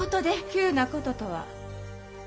急なこととは？